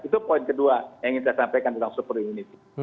itu poin kedua yang ingin saya sampaikan tentang super immunity